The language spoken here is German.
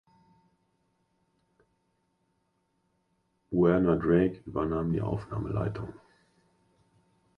Werner Drake übernahm die Aufnahmeleitung.